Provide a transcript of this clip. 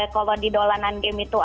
kalau di dolanan game itu ada tasik